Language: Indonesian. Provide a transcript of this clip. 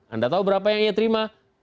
anda tahu berapa yang ia terima